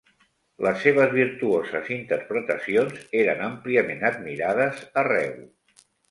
Les seves virtuoses interpretacions eren àmpliament admirades arreu.